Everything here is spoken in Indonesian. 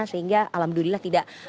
sehingga alhamdulillah tidak